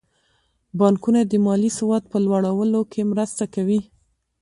بانکونه د مالي سواد په لوړولو کې مرسته کوي.